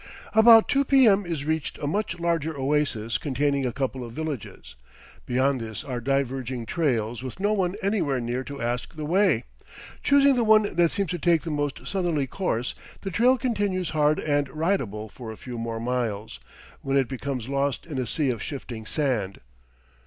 About 2 p.m. is reached a much larger oasis containing a couple of villages; beyond this are diverging trails with no one anywhere near to ask the way. Choosing the one that seems to take the most southerly course, the trail continues hard and ridable for a few more miles, when it becomes lost in a sea of shifting sand.